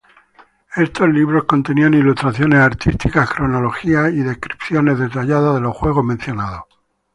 Estos libros contenían ilustraciones artísticas, cronologías y descripciones detalladas de los juegos mencionados.